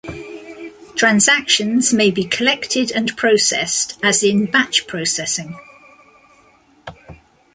Transactions may be collected and processed as in batch processing.